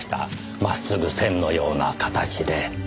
真っすぐ線のような形で。